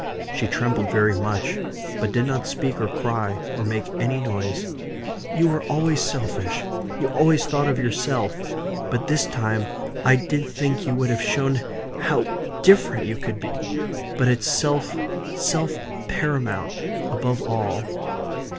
She trembled very much; but did not speak or cry, or make any noise. "You were always selfish. You always thought of yourself. But this time I did think you would have shown how different you could be. But it's self self paramount above all."